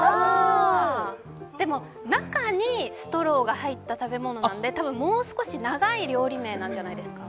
でも、中に「ストロー」が入ってるんで多分もう少し長い料理名なんじゃないですか？